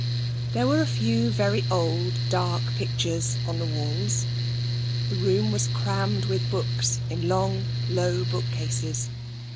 There were a few very old dark pictures on the walls. The room was crammed with books in long, low bookcases.